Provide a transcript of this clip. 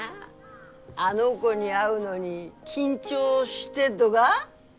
あの子に会うのに緊張してっとが？